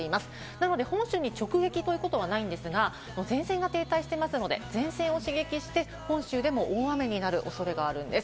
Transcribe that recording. なので本州に直撃ということはないんですが、前線が停滞していますので、前線を刺激して本州でも大雨になる恐れがあるんです。